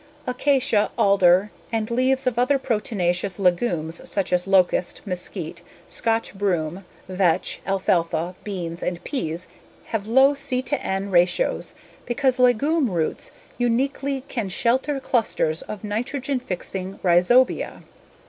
Acacia, alder, and leaves of other proteinaceous legumes such as locust, mesquite, scotch broom, vetch, alfalfa, beans, and peas have low C/N ratios because legume roots uniquely can shelter clusters of nitrogen fixing rhizobia.